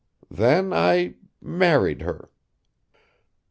Then I married her.